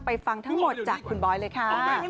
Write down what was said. ฟังทั้งหมดจากคุณบอยเลยค่ะ